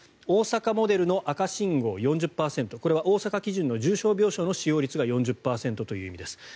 大阪モデルの赤信号、４０％これは大阪基準の重症病床の使用率が４０％ということです。